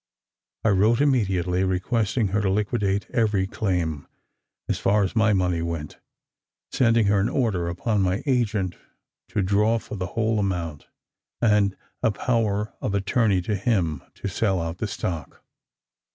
I wrote immediately, requesting her to liquidate every claim, as far as my money went; sending her an order upon my agent to draw for the whole amount, and a power of attorney to him, to sell out the stock.